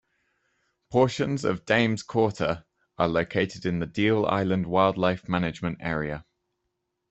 Portions of Dames Quarter are located in the Deal Island Wildlife Management Area.